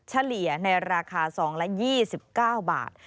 เฉลี่ยในราคาซองละ๒๙บาท